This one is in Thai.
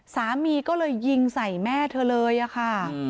สามีก็เลยยิงใส่แม่เธอเลยอะค่ะ